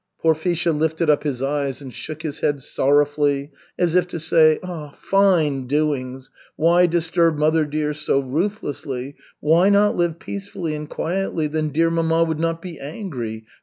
Porfisha lifted up his eyes and shook his head sorrowfully, as if to say, "Fine doings. Why disturb mother dear so ruthlessly? Why not live peacefully and quietly? Then dear mamma would not be angry.